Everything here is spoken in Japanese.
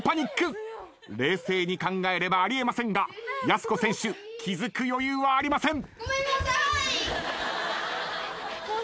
冷静に考えればあり得ませんがやす子選手気付く余裕はありません。